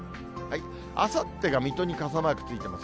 あさってが水戸に傘マークついてます。